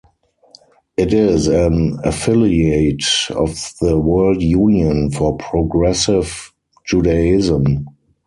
It is an affiliate of the World Union for Progressive Judaism.